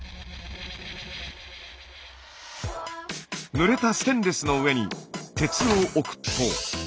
ぬれたステンレスの上に鉄を置くと。